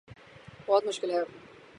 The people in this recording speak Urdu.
بہت مشکل ہے